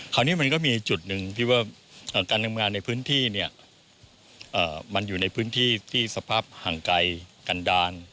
คราวนี้มันก็มีจุดหนึ่งที่ว่าการทำงานในพื้นที่เนี่ยมันอยู่ในพื้นที่ที่สภาพห่างไกลกันดาล